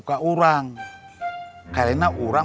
dengan kaki kurut